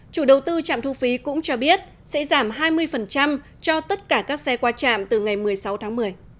chủ đầu tư trạm thu phí cũng cho biết sẽ giảm hai mươi cho tất cả các xe qua trạm từ ngày một mươi sáu tháng một mươi